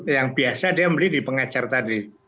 yang biasa dia beli di pengecer tadi